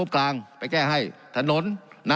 การปรับปรุงทางพื้นฐานสนามบิน